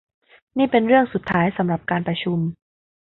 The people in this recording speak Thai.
นี่เป็นเรื่องสุดท้ายสำหรับการประชุม